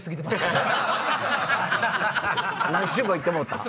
何周もいってもうた？